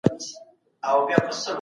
تاسي ولي د خپل عزت پروا نه کوئ؟